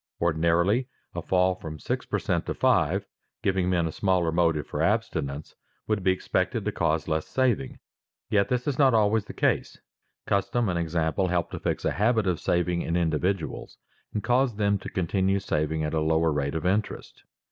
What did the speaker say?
Ordinarily a fall from six per cent. to five, giving men a smaller motive for abstinence, would be expected to cause less saving, yet this is not always the case. Custom and example help to fix a habit of saving in individuals and cause them to continue saving at a lower rate of interest.